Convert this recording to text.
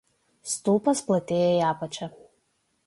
Stulpas platėja į apačią.